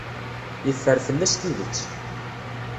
Yeffer fell-as tidet.